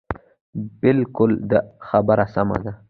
بلکل دا خبره سمه ده.